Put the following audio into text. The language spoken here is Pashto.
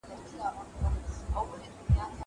زه کولای سم موبایل کار کړم!